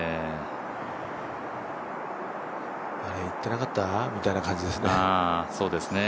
行ってなかった？みたいな感じですね。